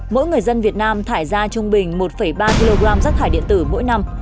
mỗi người dân việt nam thải ra trung bình một ba kg rác thải điện tử mỗi năm